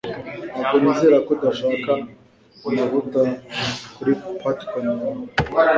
Ntabwo nizera ko udashaka amavuta kuri popcorn yawe